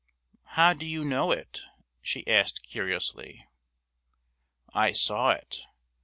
"How do you know it?" she asked curiously. "I saw it.